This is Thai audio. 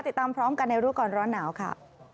ติดตามพร้อมกันในรู้ก่อนร้อนหนาวค่ะ